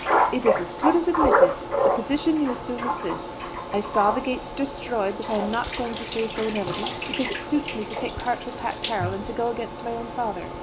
"It is as good as admitted. The position you assume is this: 'I saw the gates destroyed, but I am not going to say so in evidence, because it suits me to take part with Pat Carroll, and to go against my own father.'"